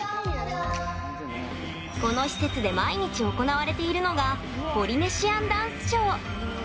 この施設で毎日行われているのがポリネシアンダンスショー。